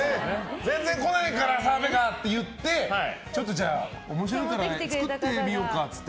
全然来ないから澤部がって言ってちょっと面白いの作ってみようかって。